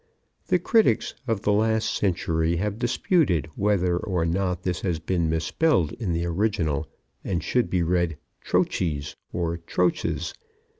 The critics of the last century have disputed whether or not this has been misspelled in the original, and should read "trochies" or "troches."